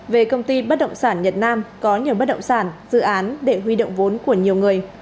về công ty bất động sản nhật nam có nhiều bất động sản dự án để huy động vốn của nhiều người